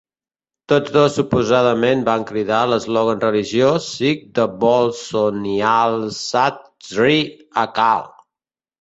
Tots dos suposadament van cridar l'eslògan religiós sikh de Bole So Nihal, Sat Sri Akal!!